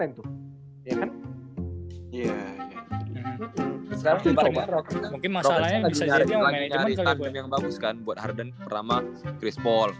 ya kan iya sekarang mungkin masalahnya bisa jadi yang bagus kan buat harden pertama chris paul